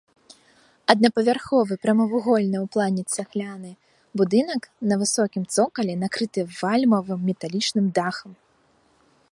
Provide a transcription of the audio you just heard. Аднапавярховы прамавугольны ў плане цагляны будынак на высокім цокалі, накрыты вальмавым металічным дахам.